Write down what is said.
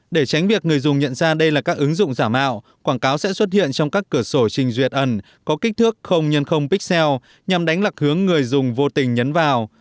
để tránh việc người dùng nhận ra đây là các ứng dụng giả mạo quảng cáo sẽ xuất hiện trong các cửa sổ trình duyệt ẩn có kích thước không nhân không pixel nhằm đánh lạc hướng người dùng vô tình nhấn vào